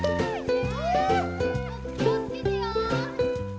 ・気を付けてよ。